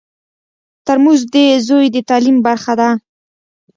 ترموز د زوی د تعلیم برخه ده.